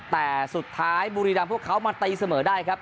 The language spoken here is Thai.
แต่สุดท้ายพวกเขามาใต้เสมอได้ครับ